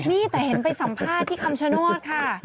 นี่แต่เห็นไปสัมภาษณ์ที่คำชโนธค่ะ